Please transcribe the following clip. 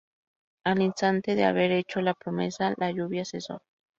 Al instante de haber hecho la promesa la lluvia cesó".